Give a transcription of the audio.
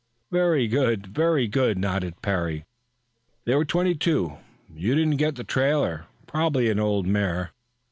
"Very good. Very good," nodded Parry. "There were twenty two. You didn't get the trailer, probably an old mare.